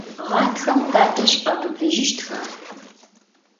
Гъатхэм тадэжь къэбыбыжьыщтха?